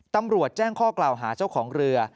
ตำรวจแจ้งข้อกล่าวหาเจ้าของเรือ